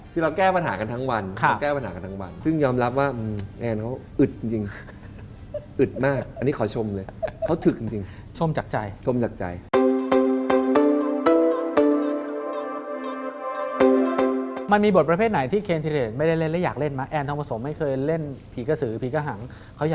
ผมอาจจะรักคุณหน่อย